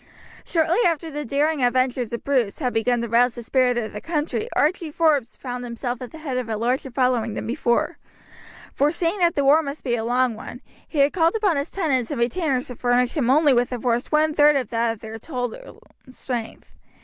Shortly after the daring adventures of Bruce had begun to rouse the spirit of the country Archie Forbes found himself at the head of a larger following than before. Foreseeing that the war must be a long one he had called upon his tenants and retainers to furnish him only with a force one third of that of their total strength.